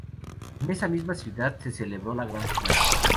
En esa misma ciudad, se celebró la gran final.